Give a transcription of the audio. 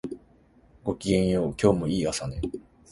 ごきげんよう、今日もいい朝ね